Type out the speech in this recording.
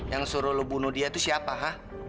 yang suruh lo bunuh dia itu siapa ah